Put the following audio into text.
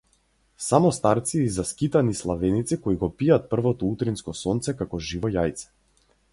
Само старци и заскитани славеници кои го пијат првото утринско сонце како живо јајце.